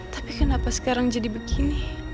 tapi kenapa sekarang jadi begini